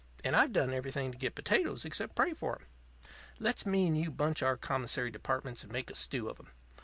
And I've done everything to get potatoes except pray for 'em. Let's me and you bunch our commissary departments and make a stew of 'em.